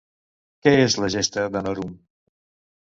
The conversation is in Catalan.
Què és la Gesta Danorum?